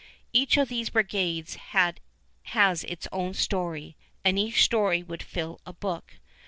Each of these brigades has its own story, and each story would fill a book.